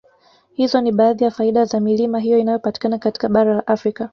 Hizo ni baadhi ya faida za milima hiyo inayopatikana katika bara la Afrika